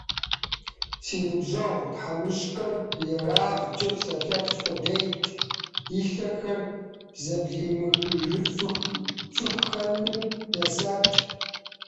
Си ныбжьэгъу тхьэмыщкӀэр ерагъкӀэ псэлъэф къудейт, и лъэхэр зэблимыхыжыфыххэным нэсат.